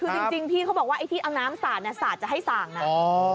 คือจริงพี่เขาบอกว่าไอ้ที่เอาน้ำสาดเนี่ยสาดจะให้ส่างนะ